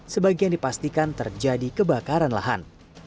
sebagian dipastikan terjadi kebakaran lahan